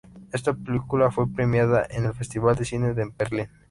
Esta película fue premiada en el Festival de cine de Berlín.